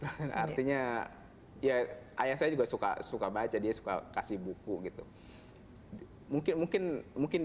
artinya ya ayah saya juga suka baca dia suka kasih buku gitu